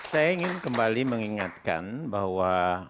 saya kembali mengingatkan bahwa